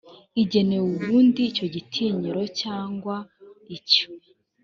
igenewe undi icyo gitinyiro cyangwa icyo